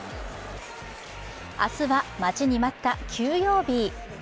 明日は待ちに待った休養日。